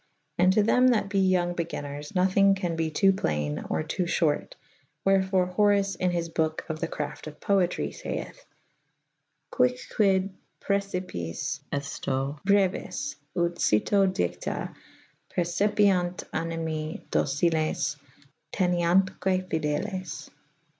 And to theOT that be yonge begynners nothynge can be to playne or to f hort / wherfore Horace \n his boke of the craft of Poetry I'ayeth Quicquid prcecipies efto breuis vt cito dicta Percipiant aitimi dociles teneantque fideles.